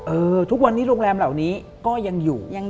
ทุกวันนี้โรงแรมเหล่านี้ก็ยังอยู่